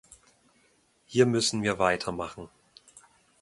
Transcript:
Hier müssen wir weitermachen.